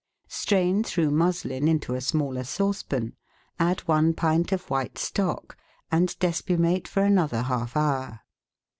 Strain through muslin into a smaller saucepan, add one pint of white stock, and de spumate for another half hour.